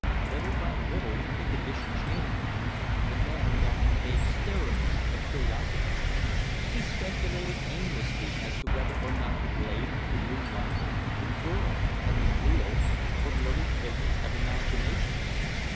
Little by little the condition changed. The man felt vague stirrings of curiosity. He speculated aimlessly as to whether or not the glade, the moonlight, the girl, had been real or merely the figments of imagination.